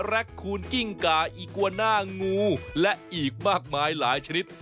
คูณกิ้งกาอีกวาน่างูและอีกมากมายหลายชนิด